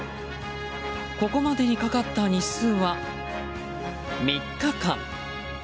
これまでにかかった日数は３日間。